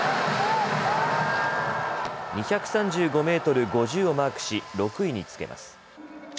２３５メートル５０をマークし６位につけます。